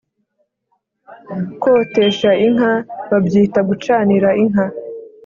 Kotesha inka babyita Gucanira Inka